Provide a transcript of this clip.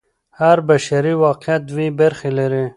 هر بشري واقعیت دوې برخې لري.